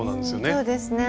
そうですね。